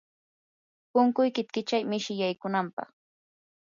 punkuykita kichay mishi yaykunapaq.